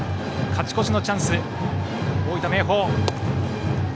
勝ち越しのチャンス、大分・明豊。